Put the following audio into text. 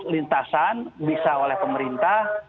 lintasan bisa oleh pemerintah